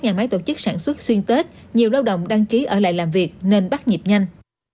nhà máy tổ chức sản xuất xuyên tết nhiều lao động đăng ký ở lại làm việc nên bắt nhịp nhanh